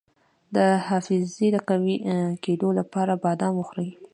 د حافظې د قوي کیدو لپاره بادام وخورئ